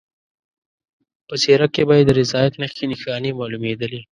په څېره کې به یې د رضایت نښې نښانې معلومېدلې.